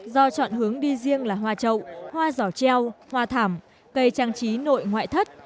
do chọn hướng đi riêng là hoa trậu hoa giỏ treo hoa thảm cây trang trí nội ngoại thất